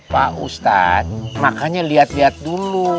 pak ustadz makanya lihat lihat dulu